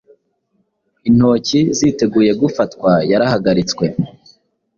Intoki ziteguye gufatwa yarahagaritswe